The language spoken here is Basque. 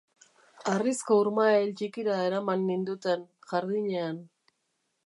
Harrizko urmael ttikira eraman ninduten, jardinean.